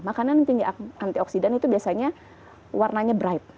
makanan yang tinggi antioksidan itu biasanya warnanya bright